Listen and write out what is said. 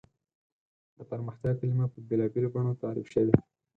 د پرمختیا کلیمه په بېلابېلو بڼو تعریف شوې.